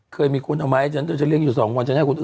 เคยมีคุณเอามาให้ฉันจะเลี่ยงอยู่สองวัน